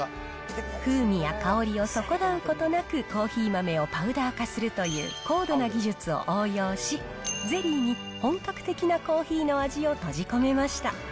風味や香りを損なうことなく、コーヒー豆をパウダー化するという高度な技術を応用し、ゼリーに本格的なコーヒーの味を閉じ込めました。